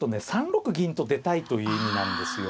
３六銀と出たいという意味なんですよ